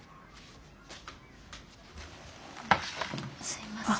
すいません。